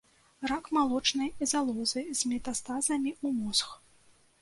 Рак малочнай залозы з метастазамі ў мозг.